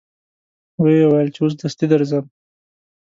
و یې ویل چې اوس دستي درځم.